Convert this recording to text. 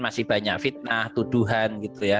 masih banyak fitnah tuduhan